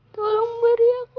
tolong beri aku